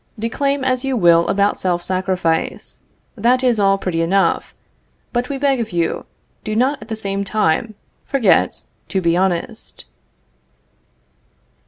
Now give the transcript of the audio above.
Declaim as you will about self sacrifice; that is all pretty enough; but we beg of you, do not at the same time forget to be honest.